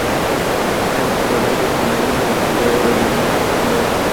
Redstone es un simpatizantes de toda la vida del Partidario Demócrata de Estados Unidos.